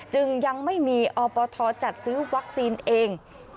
จึงยังไม่มีอปทจัดซื้อวัคซีนเอง